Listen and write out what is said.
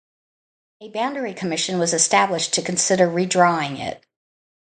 A Boundary Commission was established to consider re-drawing it.